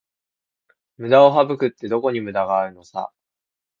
ムダを省くって、どこにムダがあるのさ